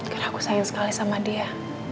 karena aku sayang sekali sama dia